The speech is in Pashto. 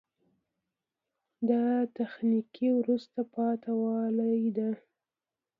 دا تخنیکي وروسته پاتې والی ده.